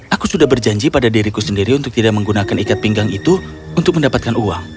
aku sudah berjanji pada diriku sendiri untuk tidak menggunakan ikat pinggang itu untuk mendapatkan uang